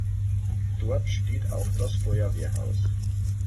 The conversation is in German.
Dort steht auch das Feuerwehrhaus.